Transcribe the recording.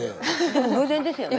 でも偶然ですよね。